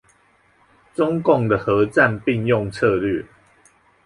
中共的和戰並用策略